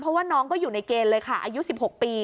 เพราะว่าน้องก็อยู่ในเกณฑ์เลยค่ะอายุ๑๖ปี